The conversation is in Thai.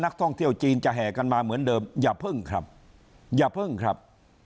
ท่องเที่ยวจีนจะแห่กันมาเหมือนเดิมอย่าเพิ่งครับอย่าเพิ่งครับ